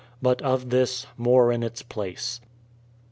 But of this, more in its place.